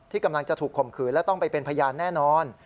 กำลังจะถูกข่มขืนและต้องไปเป็นพยานแน่นอน